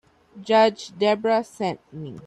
Judge Debra sent me.